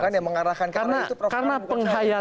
tuh kan yang mengarahkan ke arah itu prof arman bukan saya